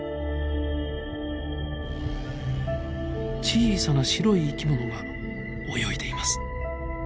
小さな白い生き物が泳いでいます。